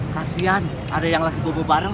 kasian ada yang lagi bobo bareng